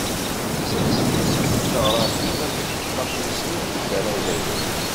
Tettas-d seg tneɣrafin akked tmaqqusin tikerrazanin.